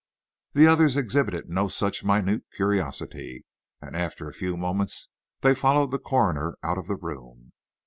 The others exhibited no such minute curiosity, and, after a few moments, they followed the coroner out of the room.